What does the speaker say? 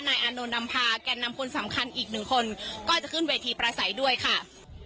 อานนท์นำพาแก่นำคนสำคัญอีกหนึ่งคนก็จะขึ้นเวทีประสัยด้วยค่ะ